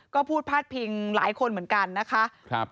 ก็พูดพาดพิงหลายคนเหมือนกันนะคะ